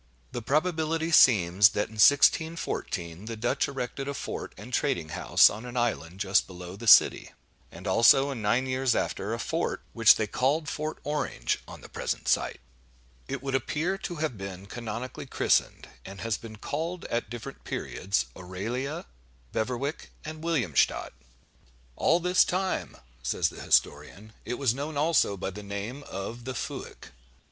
The probability seems, that, in 1614, the Dutch erected a fort and trading house on an island just below the city; and also, in nine years after, a fort, which they called Fort Orange, on the present site. It would appear to have been canonically christened, and has been called at different periods Auralia, Beverwyck, and Williamstadt. "All this time," says the historian, "it was known also by the name of 'The Fuyck.